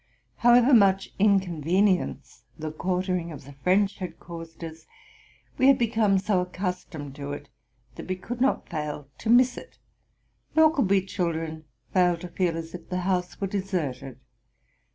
However much inconvenience the quartering of the French had caused us, we had become so accustomed to it, that we could not fail to miss it; nor could we children fail to feel as if the house were deserted.